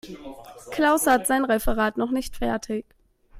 Klaus hat sein Referat noch nicht fertig.